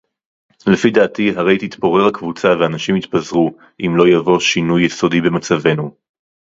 לְפִי דַעְתִּי הֲרֵי תִּתְפּוֹרֵר הַקְּבוּצָה וְהָאֲנָשִׁים יִתְפַּזְּרוּ אִם לֹא יָבוֹא שִׁנּוּי יְסוֹדִי בְּמַצָּבֵנוּ.